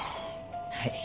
はい。